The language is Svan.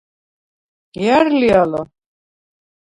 ჲა̈რ ლი ალა?